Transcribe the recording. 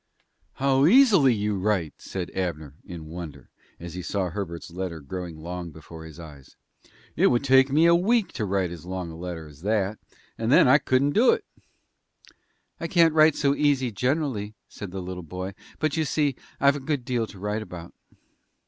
"How easy you write!" said Abner, in wonder, as he saw Herbert's letter growing long before his eyes. "It would take me a week to write as long a letter as that, and then I couldn't do it." "I can't write so easy generally," said the little boy, "but, you see, I have a good deal to write about."